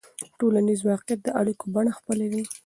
ټولنیز واقعیت د اړیکو بڼه خپلوي.